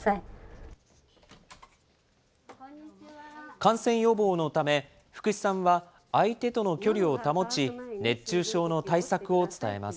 感染予防のため、福司さんは相手との距離を保ち、熱中症の対策を伝えます。